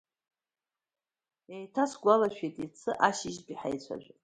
Еиҭаасгәалашәеит иацы ашьыжьтәи ҳаицәажәара.